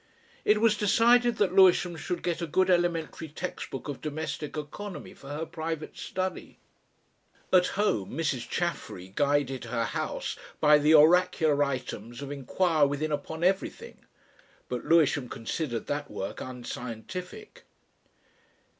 It was decided that Lewisham should get a good elementary text book of domestic economy for her private study. At home Mrs. Chaffery guided her house by the oracular items of "Inquire Within upon Everything," but Lewisham considered that work unscientific.